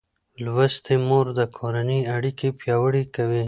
لوستې مور د کورنۍ اړیکې پیاوړې کوي.